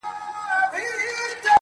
چيلمه ويل وران ښه دی، برابر نه دی په کار